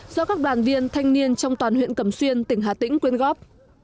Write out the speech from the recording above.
do các đoàn viên thanh niên trong toàn huyện cẩm xuyên tỉnh hà tĩnh quyên góp